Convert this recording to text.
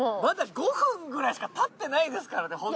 まだ５分くらいしか経ってないですからね